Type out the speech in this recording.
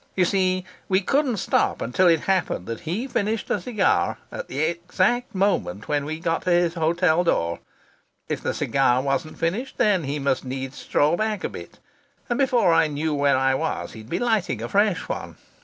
You see, we couldn't stop until it happened that he finished a cigar at the exact moment when we got to his hotel door. If the cigar wasn't finished, then he must needs stroll back a bit, and before I knew where I was he'd be lighting a fresh one.